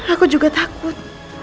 aku juga takut